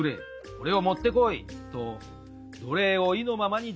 これを持ってこいと奴隷を意のままにできるからです。